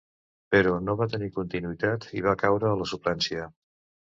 Però, no va tenir continuïtat i va caure a la suplència.